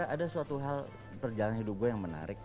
ada suatu hal perjalanan hidup gue yang menarik